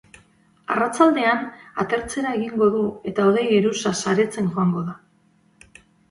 Arratsaldean atertzera egingo du eta hodei geruza saretzen joango da.